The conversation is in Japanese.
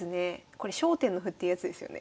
これ焦点の歩ってやつですよね。